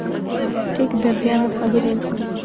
ټيک ده، بيا به خبرې وکړو